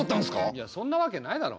いやそんなわけないだろ。